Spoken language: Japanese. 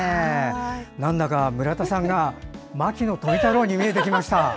なんだか邑田さんが牧野富太郎に見えてきました。